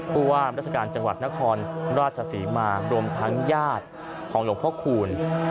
ผู้ว่ามราชการจังหวัดนครราชศรีมารวมทั้งญาติของหลวงพ่อคูณ